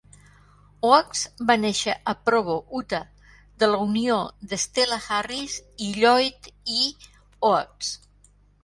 Oaks va néixer a Provo (Utah) de la unió de Stella Harris i Lloyd E. Oaks.